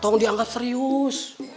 tolong dianggap serius